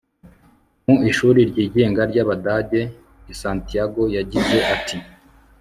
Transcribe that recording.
mu ishuri ryigenga ryAbadage i Santiago yagize ati